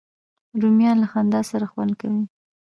رومیان له خندا سره خوند کوي